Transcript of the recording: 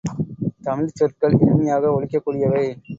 தமிழ்ச் சொற்கள் இனிமையாக ஒலிக்கக் கூடியவை.